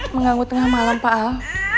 mengganggu tengah malam pak al